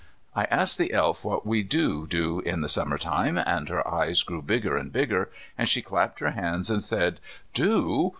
I asked the Elf what we do do in Summer time, and her eyes grew bigger and bigger, and she clapped her hands and said, "Do?